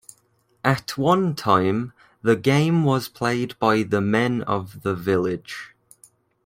At one time the game was played by the men of the village.